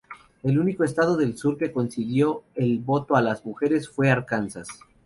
El único estado del sur que concedió el voto a las mujeres fue Arkansas.